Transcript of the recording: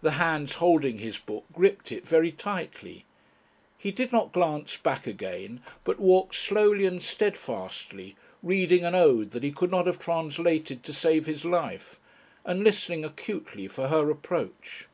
The hands holding his book gripped it very tightly. He did not glance back again, but walked slowly and steadfastly, reading an ode that he could not have translated to save his life, and listening acutely for her approach.